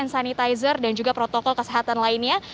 membawa hand sanitizer dan juga protokol kesehatan lainnya